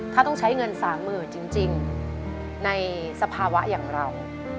ถ้าต้องใช้เงิน๓๐๐๐จริงในสภาวะอย่างเรา